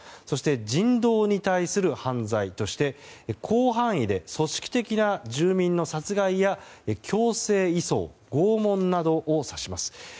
そして、人道に対する犯罪として広範囲で、組織的な住民の殺害や強制移送、拷問などを指します。